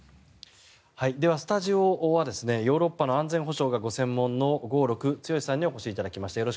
では、スタジオはヨーロッパの安全保障がご専門の合六強さんにお越しいただきました。